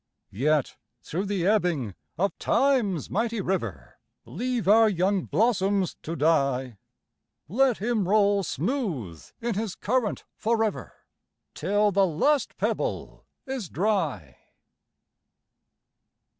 Yet, through the ebbing of Time's mighty river Leave our young blossoms to die, Let him roll smooth in his current forever, Till the last pebble is dry.